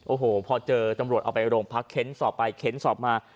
โอ้โหพอเจอตำรวจเอาไปโรงพักเค้นสอบไปเค้นสอบมา